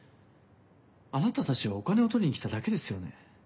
あなたたちはお金を取りにきただけですよね？